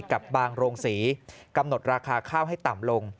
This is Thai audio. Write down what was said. กับบางโรงศรีกำหนดราคาข้าวให้ต่ำลง